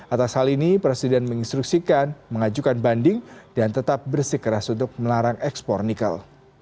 atas hal ini presiden menginstruksikan mengajukan banding dan tetap bersikeras untuk melarang ekspor nikel